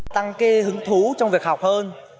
tăng hứng thú trong việc học hơn